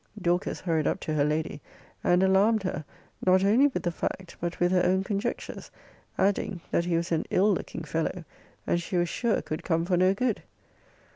Dorcas hurried up to her Lady, and alarmed her, not only with the fact, but with her own conjectures; adding, that he was an ill looking fellow, and she was sure could come for no good.